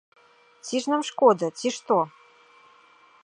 Ці ж нам шкода, ці што?